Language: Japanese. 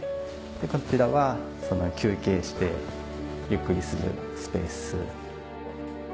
こちらは休憩してゆっくりするスペース。